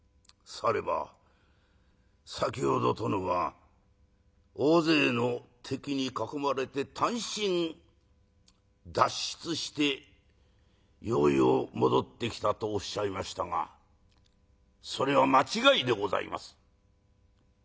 「されば先ほど殿は大勢の敵に囲まれて単身脱出してようよう戻ってきたとおっしゃいましたがそれは間違いでございます」。